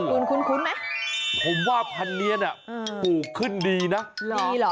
คุ้นคุ้นคุ้นไหมผมว่าพันธุ์เนี้ยน่ะอืมปลูกขึ้นดีน่ะดีหรอ